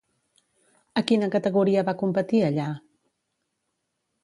A quina categoria va competir, allà?